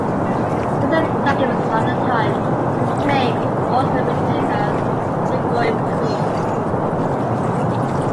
In some documents of the time, his name was also written as Digory Priest.